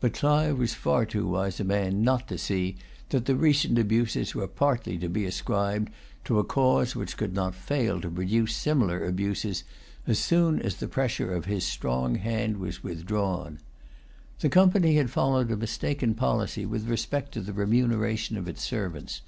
But Clive was far too wise a man not to see that the recent abuses were partly to be ascribed to a cause which could not fail to produce similar abuses, as soon as the pressure of his strong hand was withdrawn. The Company had followed a mistaken policy with respect to the remuneration of its servants.